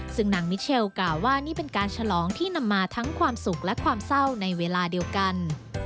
ซึ่งนางมิเชลกล่าวว่านี่เป็นการฉลองที่นำมาทั้งความสุขและความเศร้าในเวลาเดียวกัน